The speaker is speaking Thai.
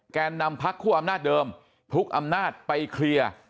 แกนนำพักคั่วอำนาจเดิมทุกอำนาจไปเคลียร์